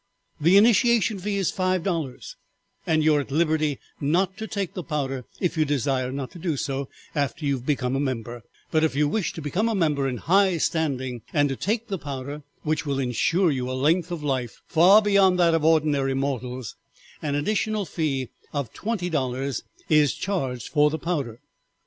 The initiation fee is five dollars, and you are at liberty not to take the powder if you desire not to do so after you have become a member, but if you wish to become a member in high standing, and to take the powder, which will insure you a length of life far beyond that of ordinary mortals, an additional fee of twenty dollars is charged for the powder.'